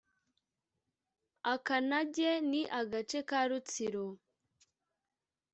Akanage Ni agace ka Rutsiro